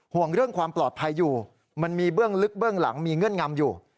ห่วงเรื่องความปลอดภัยอยู่มันมีเบื้องลึกเบื้องหลังมีเงื่อนงำอยู่